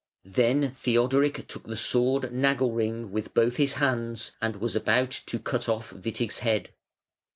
Then Theodoric took the sword Nagelring with both his hands and was about to cut off Witig's head.